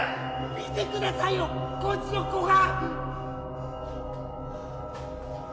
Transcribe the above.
見てくださいよこいつの股間！